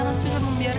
wah saya gak liat